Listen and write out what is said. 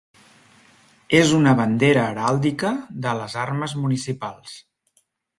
És una bandera heràldica de les armes municipals.